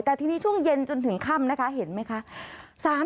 แต่ทีนี้ช่วงเย็นจนถึงค่ำนะคะเห็นไหมคะ